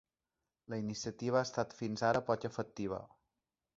La iniciativa ha estat fins ara poc efectiva.